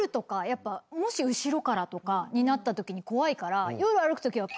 もし後ろからとかになった時に怖いから夜歩く時は。